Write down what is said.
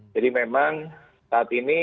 jadi memang saat ini